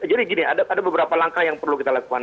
gini ada beberapa langkah yang perlu kita lakukan